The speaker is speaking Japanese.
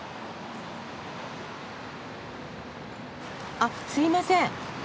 あっすいません。